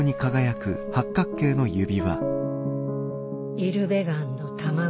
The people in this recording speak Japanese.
イルベガンの卵。